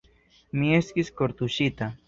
Mi estis kortuŝita.